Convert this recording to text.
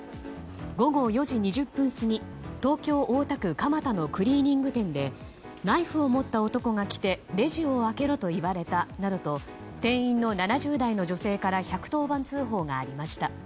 午後４時２０分過ぎ東京・大田区蒲田のクリーニング店でナイフを持った男が来てレジを開けろと言われたなどと店員の７０代の女性から１１０番通報がありました。